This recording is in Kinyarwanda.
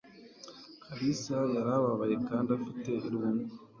kalisa yari ababaye kandi afite irungu